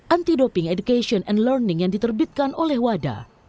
anti doping education and learning yang diterbitkan oleh wada